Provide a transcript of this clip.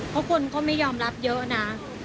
เพราะคนก็ไม่ยอมรับเยอะนะ